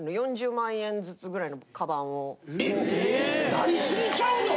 やり過ぎちゃうの？